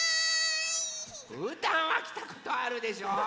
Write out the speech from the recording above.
うーたんはきたことあるでしょ？